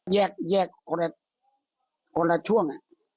แยกคนละช่วง